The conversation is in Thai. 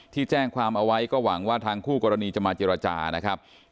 แจ้งความเอาไว้ก็หวังว่าทางคู่กรณีจะมาเจรจานะครับ